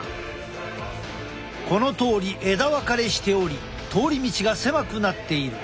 このとおり枝分かれしており通り道が狭くなっている。